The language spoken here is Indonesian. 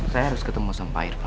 saya harus ketemu sumpah irfan